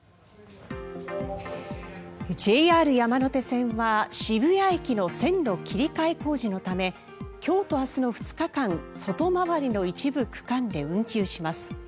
ＪＲ山手線は渋谷駅の線路切り替え工事のため今日と明日の２日間外回りの一部区間で運休します。